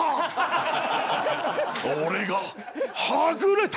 俺がはぐれた！